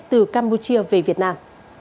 từ campuchia về việt nam